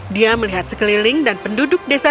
dia melihat sekeliling dan penduduk desa